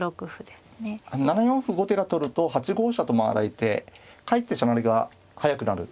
７四歩後手が取ると８五飛車と回られてかえって飛車成が速くなる。